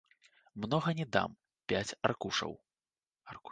Многа не дам, пяць аркушаў.